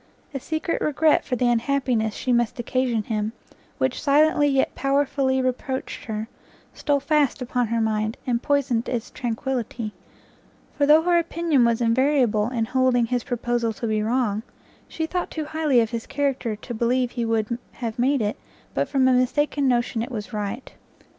A secret regret for the unhappiness she must occasion him, which silently yet powerfully reproached her, stole fast upon her mind, and poisoned its tranquility; for though her opinion was invariable in holding his proposal to be wrong, she thought too highly of his character to believe he would have made it but from a mistaken notion it was right.